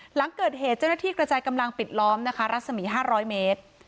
หลังเกิดเหตุเจ้าหน้าที่กระจายกำลังปิดล้อมนะคะรัศมี๕๐๐เมตร